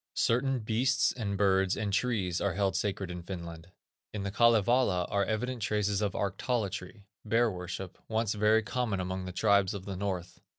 Certain beasts, and birds, and trees, are held sacred in Finland. In the Kalevala are evident traces of arctolatry, bear worship, once very common among the tribes of the north.